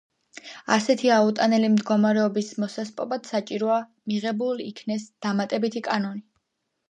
ასეთი აუტანელი მდგომარეობის მოსასპობად საჭიროა მიღებულ იქნეს დამატებითი კანონი.